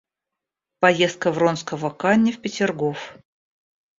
Поездка Вронского к Анне в Петергоф.